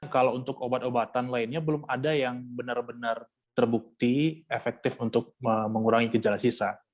kalau untuk obat obatan lainnya belum ada yang benar benar terbukti efektif untuk mengurangi gejala sisa